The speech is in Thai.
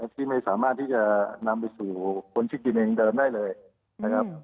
ที่ไม่สามารถที่จะนำไปสู่คนที่กินเองเดิมได้เลยนะครับ